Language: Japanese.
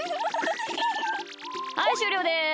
はいしゅうりょうです。